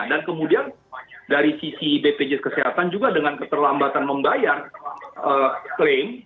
dan kemudian dari sisi bpjs kesehatan juga dengan keterlambatan membayar klaim